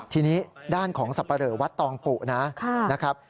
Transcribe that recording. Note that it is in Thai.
ทีนี้ด้านของสับปะเหลอวัดตองปุนะครับ